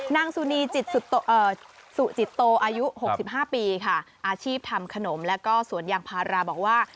นางสุนีสุจิตโตอายุ๖๕ปีค่ะอาชีพทำขนมแล้วก็สวนยางพาราบอกว่า